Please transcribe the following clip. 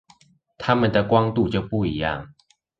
它們的光度就不一樣